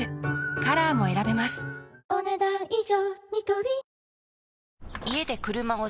カラーも選べますお、ねだん以上。